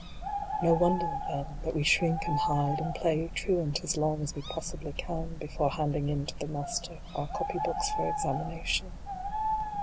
No wonder, then, that we shrink and hide, and play truant as long as we possibly can, before handing in to the Master our copy books for examination.